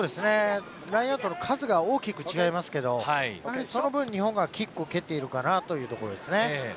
ラインアウトの数が大きく違いますけど、その分、日本はキックを蹴っているかなというところですね。